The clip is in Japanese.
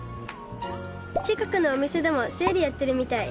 近くのお店でもセールやってるみたい！